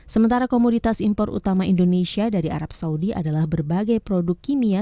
sementara komoditas impor utama indonesia dari arab saudi adalah berbagai produk kimia